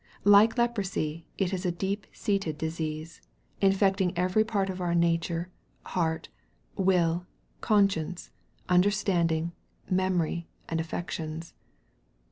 Like leprosy, it is a deep seated disease, infecting every part of our nature, heart, will, conscience, understanding, memory, and affections.